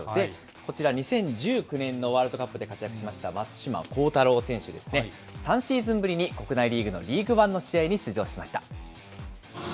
こちら、２０１９年のワールドカップで活躍しました松島幸太朗選手ですね、３シーズンぶりに国内リーグのリーグワンの試合に出場しました。